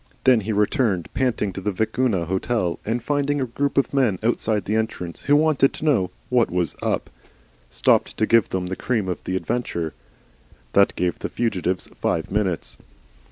Then he returned panting to the Vicuna Hotel, and finding a group of men outside the entrance, who wanted to know what was UP, stopped to give them the cream of the adventure. That gave the fugitives five minutes.